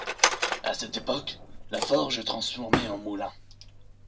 À cette époque, la forge est transformée en moulin.